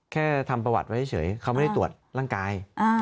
แค่ทำประวัติไว้เฉยเขาไม่ได้ตรวจร่างกาย